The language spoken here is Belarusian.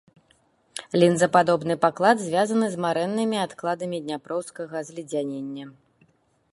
Лінзападобны паклад звязаны з марэннымі адкладамі дняпроўскага зледзянення.